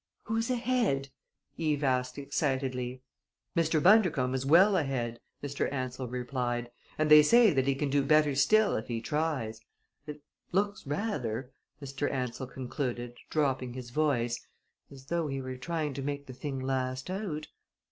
"Who's ahead?" Eve asked excitedly. "Mr. Bundercombe is well ahead," Mr. Ansell replied, "and they say that he can do better still if he tries. It looks rather," Mr. Ansell concluded, dropping his voice, "as though he were trying to make the thing last out.